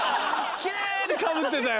キレイにかぶってたよ！